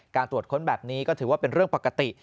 ตรวจค้นแบบนี้ก็ถือว่าเป็นเรื่องปกติ